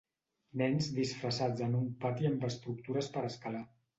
Nens disfressats en un pati amb estructures per escalar.